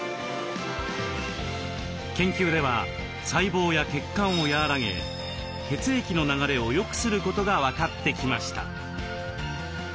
研究では細胞や血管を和らげ血液の流れをよくすることが分かってきました。